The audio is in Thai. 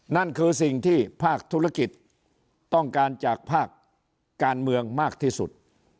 นั่นคือสิ่งที่ภาคธุรกิจต้องการจากภาคการเมืองมากที่สุด